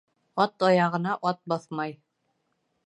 Ат аяғына ат баҫмай.